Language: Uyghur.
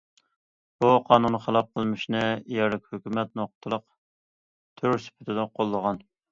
بۇ قانۇنغا خىلاپ قىلمىشنى يەرلىك ھۆكۈمەت‹‹ نۇقتىلىق تۈر›› سۈپىتىدە قوللىغان.